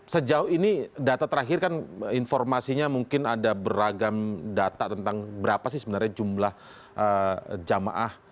sejauh ini data terakhir kan informasinya mungkin ada beragam data tentang berapa sih sebenarnya jumlah jamaah